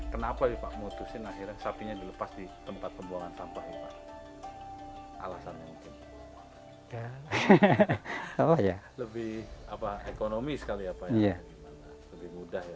ternaknya apakah ini adalah alasan untuk memutuskan sapi di tpa